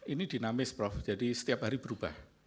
ini dinamis prof jadi setiap hari berubah